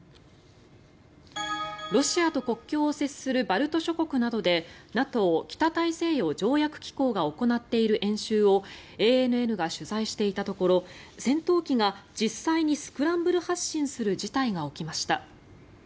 ロシアと国境を接するバルト諸国などでＮＡＴＯ・北大西洋条約機構が行っている演習をＡＮＮが取材していたところ戦闘機が実際にスクランブル発進する事態が起きました。